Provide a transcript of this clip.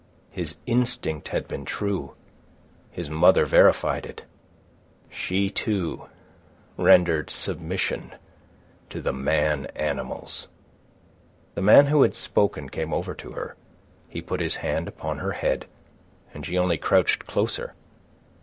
His instinct had been true. His mother verified it. She, too, rendered submission to the man animals. The man who had spoken came over to her. He put his hand upon her head, and she only crouched closer.